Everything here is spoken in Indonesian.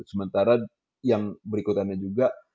sementara yang berikutannya juga